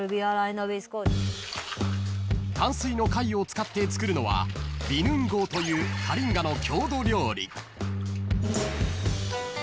［淡水の貝を使って作るのはビヌンゴーというカリンガの郷土料理］